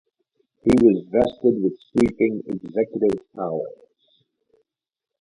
He was vested with sweeping executive powers.